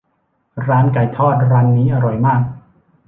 ร้านไก่ทอดร้านนี้อร่อยมาก